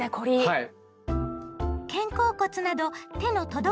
はい。